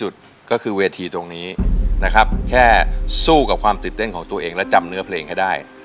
ดูกับความตื่นเต้นของตัวเองและจำเนื้อเพลงให้ได้